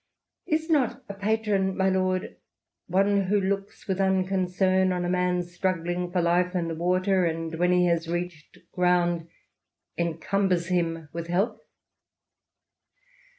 ... Is not a patron, my lord, one who looks with unconcern on a man struggling for life in the water, and, when he has reached ground, encumbers him with help